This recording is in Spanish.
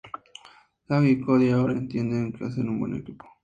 Zack y Cody ahora entienden que hacen un "buen equipo".